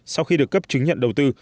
sau khi được cấp chứng nhận đầu tư